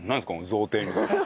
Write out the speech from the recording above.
贈呈みたいな。